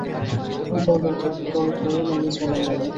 বলে তর তর করে নেমে চলে গেল।